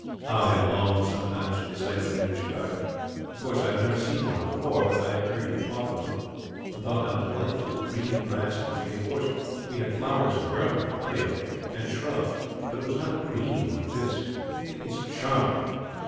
How I have longed, sometimes, for the sight of an English garden. Of course I have never seen one before, but I have heard you talk of them, and thought how delightful the green grass must be. Of course we had flowers in Burma plenty of them and shrubs; but it was not green, like this. It is charming."